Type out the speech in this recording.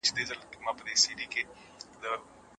زه به د سبا لپاره د نوټونو ليکل کړي وي.